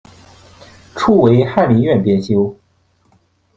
初为翰林院编修。